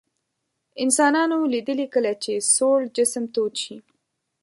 انسانانو لیدلي کله چې سوړ جسم تود شي.